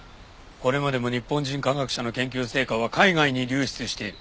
これまでも日本人科学者の研究成果は海外に流出している。